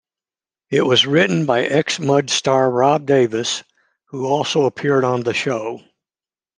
It was written by ex-Mud star Rob Davis, who also appeared on the show.